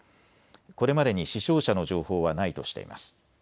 これまでに死傷者の情報はないとしています。